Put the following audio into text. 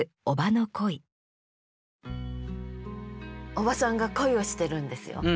叔母さんが恋をしてるんですよ。